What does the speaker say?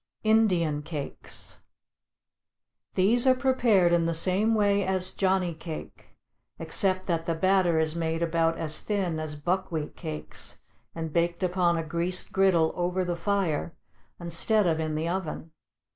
=Indian Cakes.= These are prepared in the same way as Johnny Cake, except that the batter is made about as thin as buckwheat cakes, and baked upon a greased griddle over the fire instead of in the oven.